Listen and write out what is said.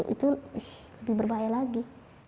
itu lebih berbahaya lagi